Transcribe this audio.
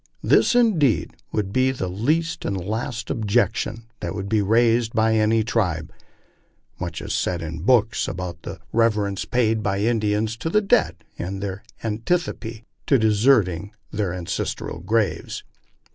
This, indeed, would be the least and last objection that would be raised by any tribe. Much is said in the books about the reverence paid by Indians to the dead, and their antipathy to deserting their ancestral graves.